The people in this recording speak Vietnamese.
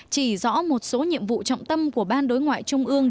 chỉ rõ một số nhiệm vụ trọng tâm của ban đối ngoại trung ương